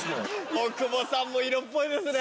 大久保さんも色っぽいですね。